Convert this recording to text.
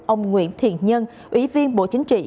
ông nguyễn thiền nhân ủy viên bộ chính trị